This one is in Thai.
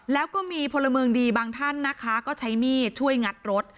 แล้วก็มีพลเมืองดีบางท่านนะคะก็ใช้มีดช่วยงัดรถ